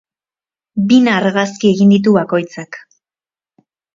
Bina argazki egin ditu bakoitzak.